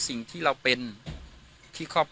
วันนี้ก็จะเป็นสวัสดีครับ